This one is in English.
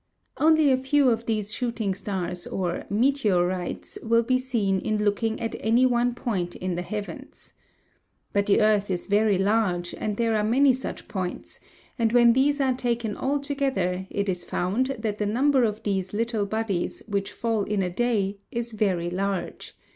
Only a few of these shooting stars or meteorites will be seen in looking at any one point in the heavens. But the earth is very large and there are many such points, and when these are taken all together it is found that the number of these little bodies which fall in a day is very large.